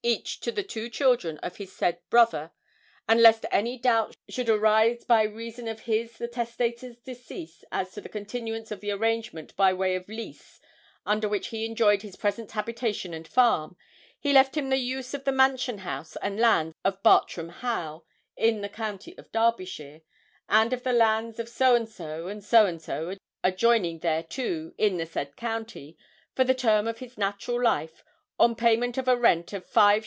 each to the two children of his said brother; and lest any doubt should arise by reason of his, the testator's decease as to the continuance of the arrangement by way of lease under which he enjoyed his present habitation and farm, he left him the use of the mansion house and lands of Bartram Haugh, in the county of Derbyshire, and of the lands of so and so and so and so, adjoining thereto, in the said county, for the term of his natural life, on payment of a rent of 5_s_.